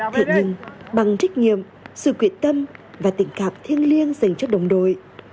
thế nhưng bằng trích nghiệm sự quyện tâm và tình cảm thiêng liêng dành cho đồng đội